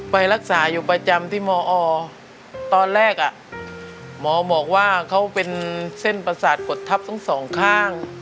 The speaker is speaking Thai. ไปรักษาอยู่ประจำที่มอตอนแรกอ่ะหมอบอกว่าเขาเป็นเส้นประสาทกดทับทั้งสองข้าง